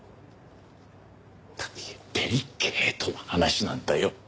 大変デリケートな話なんだよ。